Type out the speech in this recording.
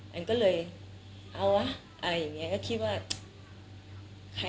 อันก็เลยเอาวะอะไรอย่างนี้ก็คิดว่าใคร